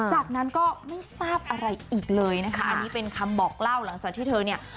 จากนั้นก็ไม่ทราบอะไรอีกเลยนะคะอันนี้เป็นคำบอกเล่าหลังจากที่เธอเนี่ย